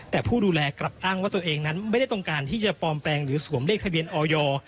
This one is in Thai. แต่ผู้ดูแลกลับอ้างว่าตัวเองนั้นไม่ได้ต้องการที่จะปลอมแปลงหรือสวมเลขทะเบียนออย